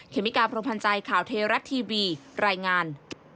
เคมิการพรพันธ์ใจข่าวเทรัตน์ทีวีรายงาน